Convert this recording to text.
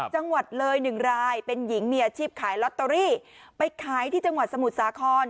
จังหวัดเลยหนึ่งรายเป็นหญิงมีอาชีพขายลอตเตอรี่ไปขายที่จังหวัดสมุทรสาคร